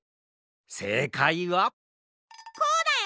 せいかいはこうだよ！